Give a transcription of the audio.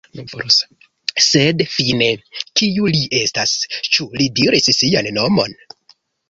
Sed fine, kiu li estas? Ĉu li diris sian nomon?